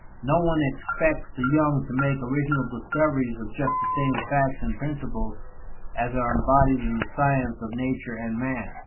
No one expects the young to make original discoveries of just the same facts and principles as are embodied in the sciences of nature and man.